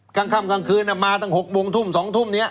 กลางค่ำกลางคืนมาตั้ง๖โมงทุ่ม๒ทุ่มนี้